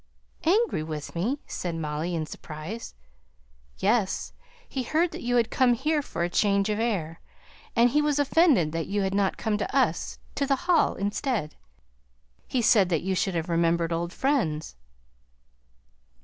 "Angry with me?" said Molly in surprise. "Yes! He heard that you had come here for change of air; and he was offended that you hadn't come to us to the Hall, instead. He said that you should have remembered old friends!"